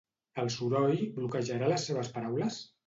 El soroll bloquejarà les seves paraules?